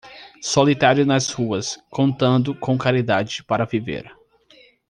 Solitário nas ruas, contando com caridade para viver